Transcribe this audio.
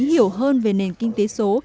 hiểu hơn về nền kinh tế số